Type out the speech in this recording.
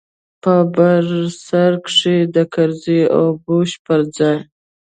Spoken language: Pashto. په بر سر کښې د کرزي او بوش پر ځاى.